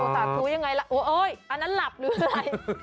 สาธุยังไงล่ะโอ๊ยอันนั้นหลับหรืออะไร